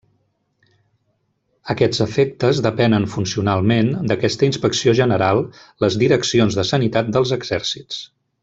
A aquests efectes depenen funcionalment d'aquesta Inspecció General les direccions de sanitat dels exèrcits.